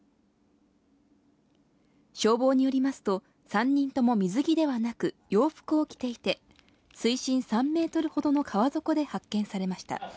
消防によりますと、３人とも水着ではなく、洋服を着ていて、水深３メートルほどの川底で発見されました。